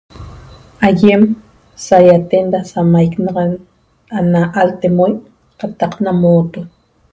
Aiem saiaten ra samaicnaxan ana altemoi qataq ana mooto